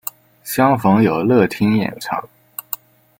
相逢有乐町演唱。